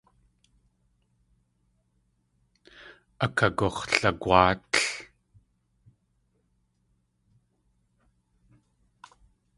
Akagux̲lagwáatl.